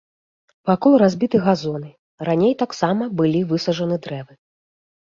Вакол разбіты газоны, раней таксама былі высаджаны дрэвы.